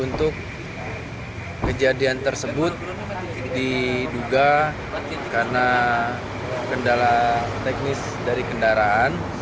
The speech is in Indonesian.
untuk kejadian tersebut diduga karena kendala teknis dari kendaraan